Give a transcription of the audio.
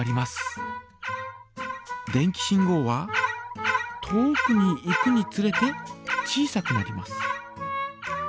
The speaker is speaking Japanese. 電気信号は遠くに行くにつれて小さくなります。